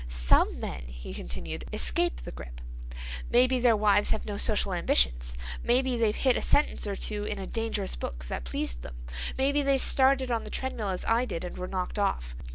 "Some men," he continued, "escape the grip. Maybe their wives have no social ambitions; maybe they've hit a sentence or two in a 'dangerous book' that pleased them; maybe they started on the treadmill as I did and were knocked off.